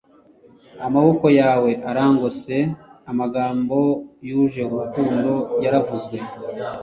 amaboko yawe arangose, amagambo yuje urukundo yaravuzwe